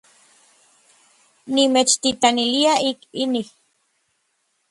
Nimechtitlanilia ik inij.